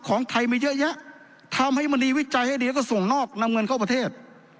ของไทยมาเยอะแยะทำให้มณีวิจัยให้ดีก็ส่งนอกนำเงินเข้าประเทศ